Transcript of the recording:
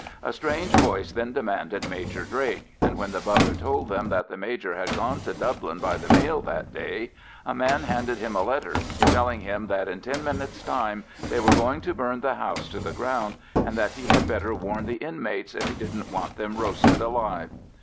A strange voice then demanded Major Drake; and when the butler told them that the Major had gone to Dublin by the mail that day, a man handed him a letter telling him that in ten minutes' time they were going to burn the house to the ground, and that he had better warn the inmates if he didn't want them roasted alive.